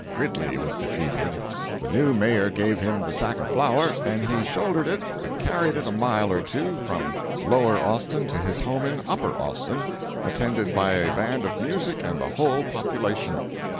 Gridley was defeated. The new mayor gave him the sack of flour, and he shouldered it and carried it a mile or two, from Lower Austin to his home in Upper Austin, attended by a band of music and the whole population.